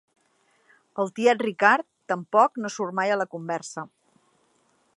El tiet Ricard tampoc no surt mai a la conversa.